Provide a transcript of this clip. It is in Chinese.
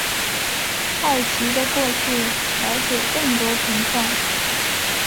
好奇的过去了解更多情况